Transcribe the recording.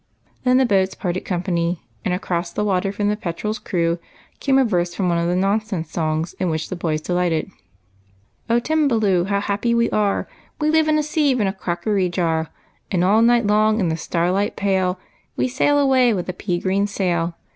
Then the boats parted company, and across the water from the "Petrel's" crew came a verse from one of the Nonsense Songs in which the boys de lighted. " Oh, Timballoo ! how happy we are, We live in a sieve and a crockery jar! And all night long, in the starlight pale. We sail away, with a pea gi'een sail.